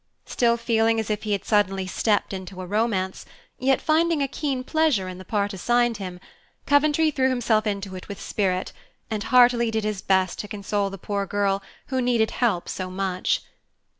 Still feeling as if he had suddenly stepped into a romance, yet finding a keen pleasure in the part assigned him, Coventry threw himself into it with spirit, and heartily did his best to console the poor girl who needed help so much.